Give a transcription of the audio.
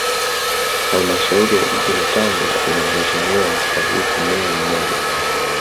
Halmashauri ya Jiji la Tanga ina Mheshimiwa Mstahiki Meya mmoja